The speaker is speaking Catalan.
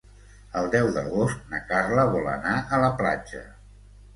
El deu d'agost na Carla vol anar a la platja.